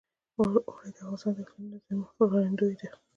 اوړي د افغانستان د اقلیمي نظام ښکارندوی ده.